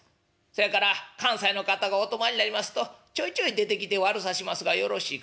そやから関西の方がお泊まりになりますとちょいちょい出てきて悪さしますがよろしいかな？」。